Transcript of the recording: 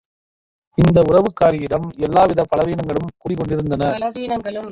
இந்த உறவுக்காரியிடம் எல்லாவித பலவீனங்களும் குடி கொண்டிருந்தன.